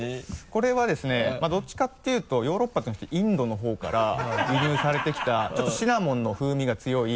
これはですねどっちかっていうとヨーロッパじゃなくてインドの方から輸入されてきたちょっとシナモンの風味が強い。